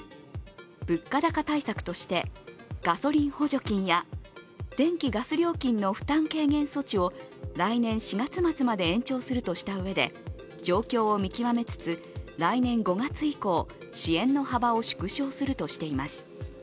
物価高対策として、ガソリン補助金や電気・ガス料金の負担軽減措置を来年４月末まで延長するとしたうえで状況を見極めつつ、来年５月以降支援の幅を縮小するとしています。